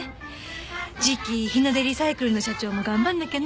次期日の出リサイクルの社長も頑張んなきゃね。